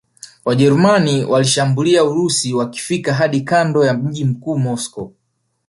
Wajerumani waliishambulia Urusi wakifika hadi kando ya mji mkuu Moscow